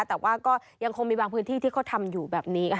แต่ว่าก็ยังคงมีบางพื้นที่ที่เขาทำอยู่แบบนี้ค่ะ